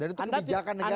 dan itu kebijakan negara